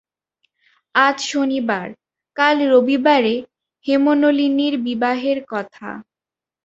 আজ শনিবার, কাল রবিবারে হেমনলিনীর বিবাহের কথা।